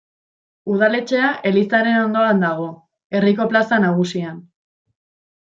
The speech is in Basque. Udaletxea elizaren ondoan dago, herriko plaza nagusian.